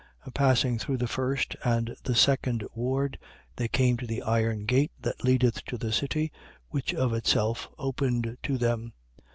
12:10. And passing through the first and the second ward, they came to the iron gate that leadeth to the city which of itself opened to them.